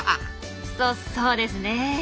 そそうですね。